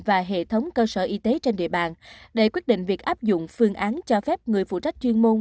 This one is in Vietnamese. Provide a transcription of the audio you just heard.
và hệ thống cơ sở y tế trên địa bàn để quyết định việc áp dụng phương án cho phép người phụ trách chuyên môn